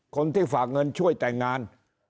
คนที่ฝากเงินช่วยแต่งงาน